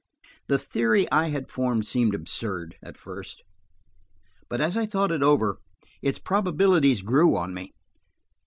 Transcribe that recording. The theory I had formed seemed absurd at first, but as I thought it over, its probabilities grew on me.